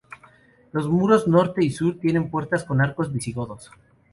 Los muros norte y sur tienen puertas con arcos visigodos.